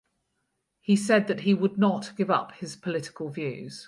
He said that he would not give up his political views.